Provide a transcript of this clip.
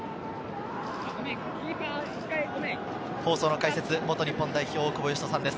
解説は元日本代表・大久保嘉人さんです。